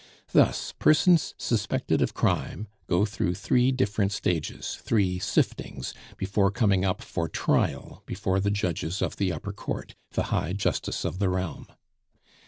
Thus, persons suspected of crime go through three different stages, three siftings, before coming up for trial before the judges of the upper Court the High Justice of the realm.